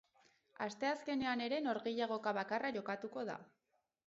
Asteazkenean ere norgehiagoka bakarra jokatuko da.